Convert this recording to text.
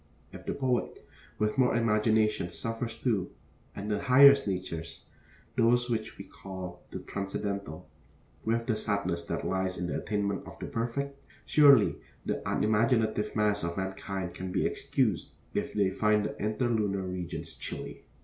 If the poet, with more imagination, suffers too, and the highest natures those which we call the transcendental whiff the sadness that lies in the attainment of the perfect, surely the unimaginative mass of mankind can be excused if they find the inter lunar regions chilly.